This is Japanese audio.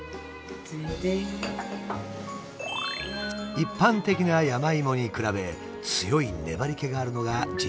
一般的な山芋に比べ強い粘りけがあるのが自然薯の特徴。